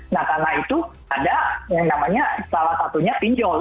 nah karena itu ada yang namanya salah satunya pinjol